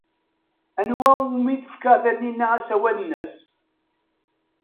Anwa umi tefka Taninna asawal-nnes?